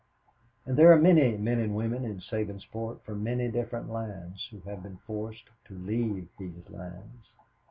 "And there are many men and women in Sabinsport from many different lands, who have been forced to leave these lands.